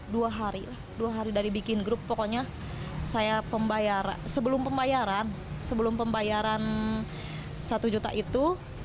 dua hari lah dua hari dari bikin grup pokoknya saya pembayaran sebelum pembayaran sebelum pembayaran satu juta itu